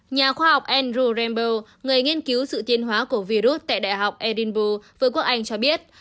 nhà khoa học andrew rambo người nghiên cứu sự tiên hóa của virus tại đại học edinburgh với quốc anh cho biết